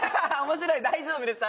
面白い大丈夫です